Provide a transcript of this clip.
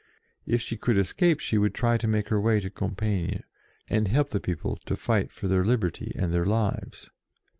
If she could escape she would try to make her way to Compiegne, and help the people to fight for their liberty and their lives.